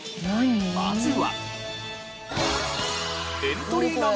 まずは。